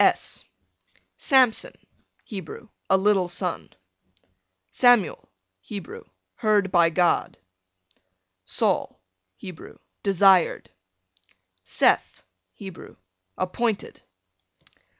S Samson, Hebrew, a little son. Samuel, Hebrew, heard by God. Saul, Hebrew, desired. Seth, Hebrew, appointed.